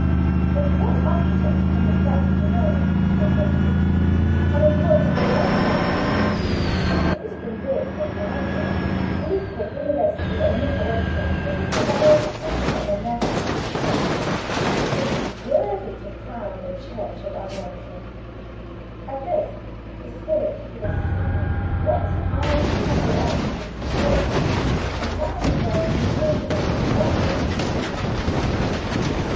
But what architect can the Frati Minori (the Franciscans) have employed to build that spire for them? If it had been built in my day, Filippo Brunelleschi or Michelozzo would have devised something of another fashion than that—something worthy to crown the church of Arnolfo." At this the Spirit, with a sigh, lets his eyes travel on to the city walls, and now he dwells on the change there with wonder at these modern times.